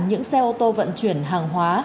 những xe ô tô vận chuyển hàng hóa